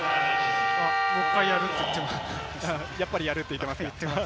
もう一度やるって言ってますね。